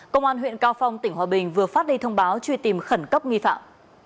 công an huyện cao phong tỉnh hòa bình vừa phát đi thông báo truy tìm khẩn cấp nghi phạm